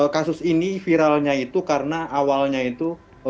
kasus ini viralnya itu karena awalnya itu